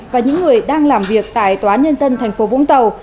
và những người đang làm việc tại tòa nhân dân tp vũng tàu